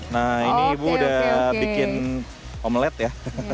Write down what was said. nah ini ibu udah bikin omelette ya